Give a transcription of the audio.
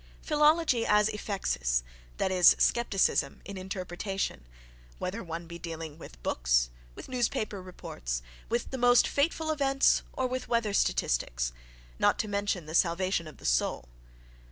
Philology as ephexis in interpretation: whether one be dealing with books, with newspaper reports, with the most fateful events or with weather statistics—not to mention the "salvation of the soul."...